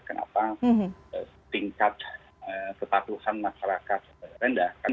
kenapa tingkat kepatuhan masyarakat rendah kan